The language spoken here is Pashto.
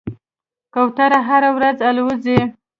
کوتره هره ورځ الوځي.